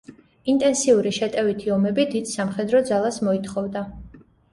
ინტენსიური შეტევითი ომები დიდ სამხედრო ძალას მოითხოვდა.